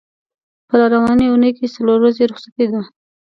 په را روانې اوونۍ کې څلور ورځې رخصتي ده.